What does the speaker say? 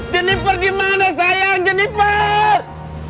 jennifer dimana sayang jennifer